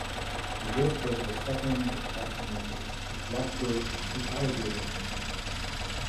The disc was the second Jackson recorded with rock group The Alligators.